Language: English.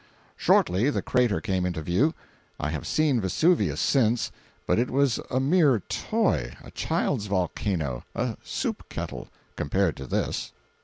Shortly the crater came into view. I have seen Vesuvius since, but it was a mere toy, a child's volcano, a soup kettle, compared to this.